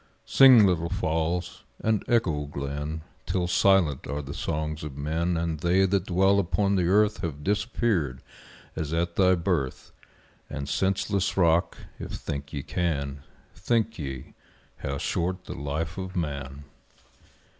Sing little Falls; and echo Glen, Till silent are the songs of men And they that dwell upon the earth Have disappeared as at thy birth And senseless Rock if think ye can, Think ye how short the life of man!